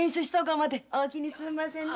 おおきにすんませんな。